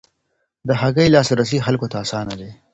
د هګۍ لاسرسی خلکو ته اسانه دی.